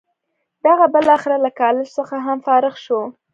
هغه بالاخره له کالج څخه هم فارغ شو.